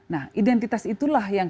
nah identitas itulah yang